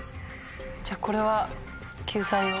じゃこれは救済を。